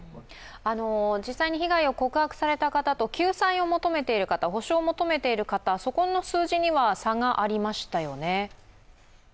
実際に被害を告白された方と救済を求めている方、補償を求めている方、そこの数字には差がありましたよね。